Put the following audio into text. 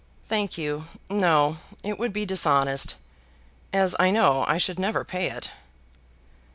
"Thank you, no. It would be dishonest, as I know I should never pay it."